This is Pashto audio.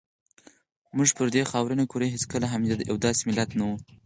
موږ پر دې خاورینې کرې هېڅکله هم یو داسې ملت نه وو.